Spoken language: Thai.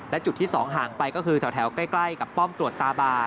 และจุดที่๒ห่างไปก็คือแถวใกล้กับป้อมตรวจตาบา